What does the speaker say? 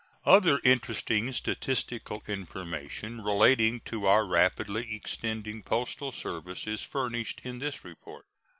Other interesting statistical information relating to our rapidly extending postal service is furnished in this report.